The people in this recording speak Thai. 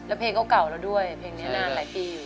แล้วเพลงก็เก่าแล้วด้วยเพลงนี้นานหลายปีอยู่